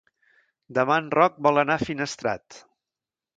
Demà en Roc vol anar a Finestrat.